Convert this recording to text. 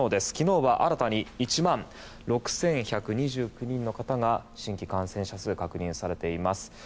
昨日は新たに１万６１２９人の方が新規感染者数確認されています。